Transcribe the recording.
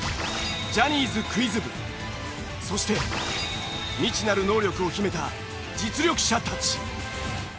ジャニーズクイズ部そして未知なる能力を秘めた実力者たち。